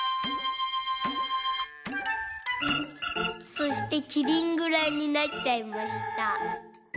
「そしてキリンぐらいになっちゃいました。